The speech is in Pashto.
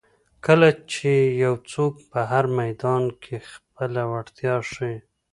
کله چې یو څوک په هر میدان کې خپله وړتیا ښایي.